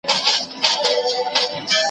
ایا تاسي په ورځ کې اته ګیلاسه اوبه څښئ؟